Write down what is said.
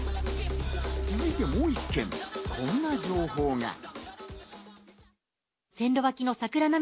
続いてもう１件、こんな情報が。